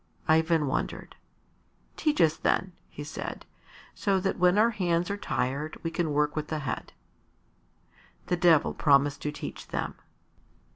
Ivan wondered. "Teach us, then," he said, "so that when our hands are tired we can work with the head." The Devil promised to teach them.